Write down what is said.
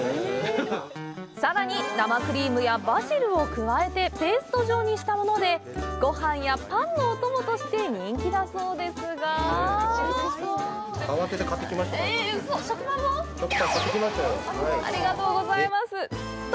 さらに、生クリームやバジルを加えてペースト状にしたものでごはんやパンのお供として人気だそうですがえ、うそ！？